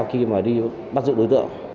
khi mà đi bắt dự đối tượng